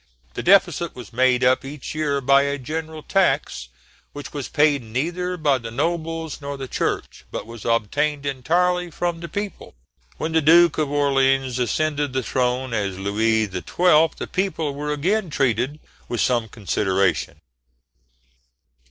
The deficit was made up each year by a general tax, "which was paid neither by the nobles nor the Church, but was obtained entirely from the people" (letters from the ambassadors of Venice). When the Duke of Orleans ascended the throne as Louis XII., the people were again treated with some consideration.